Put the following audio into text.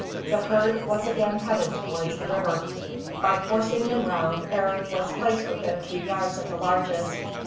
The herd was again headed towards the river. In forcing them round, Arend was placed within a few yards of the largest.